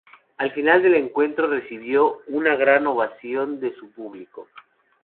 Al final del encuentro, recibió una gran ovación de su público.